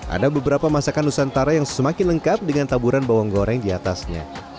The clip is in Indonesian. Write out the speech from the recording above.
ada beberapa masakan nusantara yang semakin lengkap dengan taburan bawang goreng di atasnya